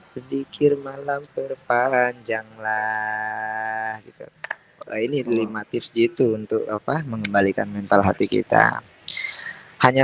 sedikit malam perpanjanglah gitu ini lima tips gitu untuk apa mengembalikan mental hati kita hanya